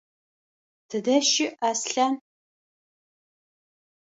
Тыдэ щыӏ Аслъан?